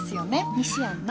西やんな？